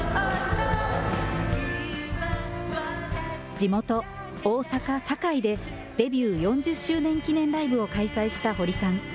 地元、大阪・堺でデビュー４０周年記念ライブを開催した堀さん。